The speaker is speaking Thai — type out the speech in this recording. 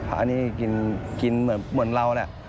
อันนี้กินเหมือนเราแหละ